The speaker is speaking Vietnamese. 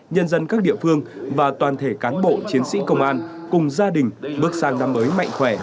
nhân dân các địa phương và toàn thể cán bộ chiến sĩ công an cùng gia đình bước sang năm mới mạnh khỏe